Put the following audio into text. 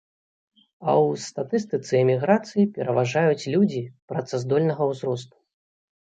А ў статыстыцы эміграцыі пераважаюць людзі працаздольнага ўзросту.